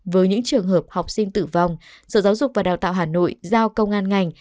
với những trường hợp học sinh tử vong sở giáo dục và đào tạo hà nội giao công an ngành